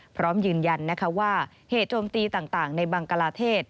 พร้อมยืนยันว่าเหตุโจมตีต่างในบังกลาเทศ